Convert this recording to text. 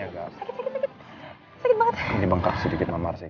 agak sakit banget sedikit mama sih